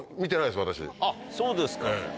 あっそうですか。